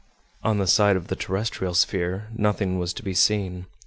On the side of the terrestrial sphere nothing was to be seen.